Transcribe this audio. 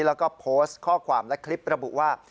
แล้วก็โพสต์ข้อความและคลิประบุว่า